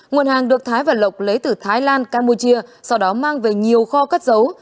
nguồn hàng được thái và lộc lấy từ thái lan campuchia sau đó mang về nhiều kho cất dấu